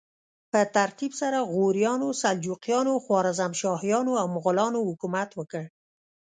په ترتیب سره غوریانو، سلجوقیانو، خوارزمشاهیانو او مغولانو حکومت وکړ.